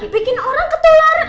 bikin orang ketularan